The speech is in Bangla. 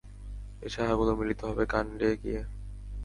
এই শাখাগুলো মিলিত হবে কাণ্ডে গিয়ে।